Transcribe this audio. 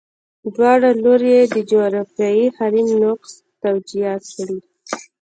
دواړه لوري یې د جغرافیوي حریم نقض توجیه کړي.